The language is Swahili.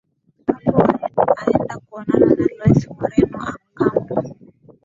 apo aenda kuonana na louis moreno ocampo